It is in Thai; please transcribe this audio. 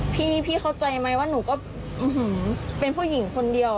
พี่เข้าใจไหมว่าหนูก็เป็นผู้หญิงคนเดียว